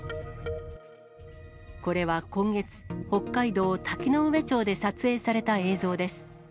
これは今月、北海道滝上町で撮影された映像です。